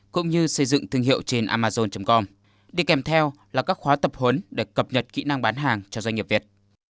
cũng như xây dựng thương hiệu trên amazon com đi kèm theo là các khóa tập huấn để cập nhật kỹ năng bán hàng cho doanh nghiệp việt